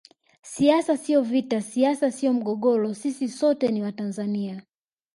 Siasa sio vita siasa sio mgogoro sisi sote ni Watanzania